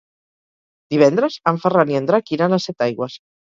Divendres en Ferran i en Drac iran a Setaigües.